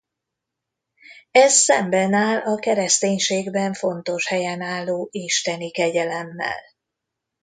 Ez szemben áll a kereszténységben fontos helyen álló Isteni kegyelemmel.